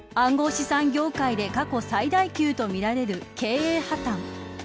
資産業界で過去最大級とみられる経営破綻。